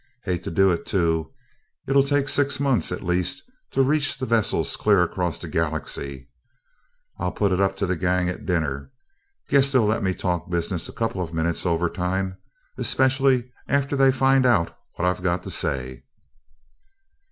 Hate to do it, too it'll take six months, at least, to reach the vessels clear across the Galaxy. I'll put it up to the gang at dinner guess they'll let me talk business a couple of minutes overtime, especially after they find out what I've got to say."